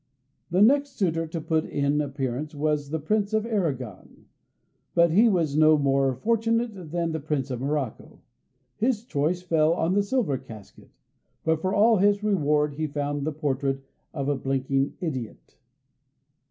The next suitor to put in an appearance was the Prince of Arragon, but he was no more fortunate than the Prince of Morocco. His choice fell on the silver casket, but for all his reward he found the portrait of a blinking idiot.